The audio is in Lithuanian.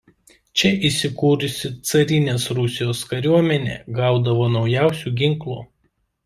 Čia įsikūrusi carinės Rusijos kariuomenė gaudavo naujausių ginklų.